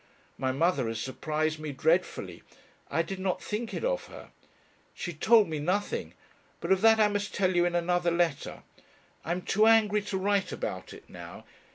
My mother has surprised me dreadfully I did not think it of her. She told me nothing. But of that I must tell you in another letter. I am too angry to write about it now.